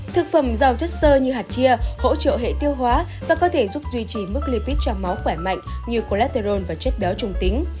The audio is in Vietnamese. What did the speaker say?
thực phẩm giàu chất sơ như hạt chia hỗ trợ hệ tiêu hóa và có thể giúp duy trì mức lipid trong máu khỏe mạnh như coletteron và chất béo trùng tính